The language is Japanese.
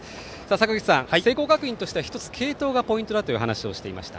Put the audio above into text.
坂口さん、聖光学院としては１つ継投がポイントだという話をしていました。